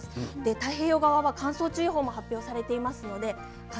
太平洋側は乾燥注意報も発表されています。